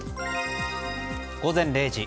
午前０時。